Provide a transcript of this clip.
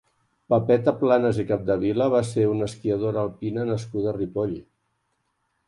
Pepeta Planas i Capdevila va ser una esquiadora alpina nascuda a Ripoll.